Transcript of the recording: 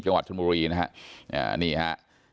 จังหวัดชนบุรีนะฮะนี่ฮะ